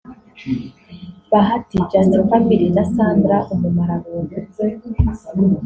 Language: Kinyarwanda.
Bahati (Just Family) na Sandra Umumararungu